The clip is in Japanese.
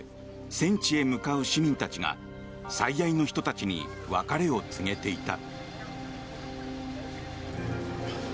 戦地に向かう市民たちが最愛の人たちに別れを告げていた。